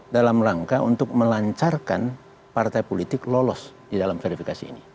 dalam rangka untuk melancarkan partai politik lolos di dalam verifikasi ini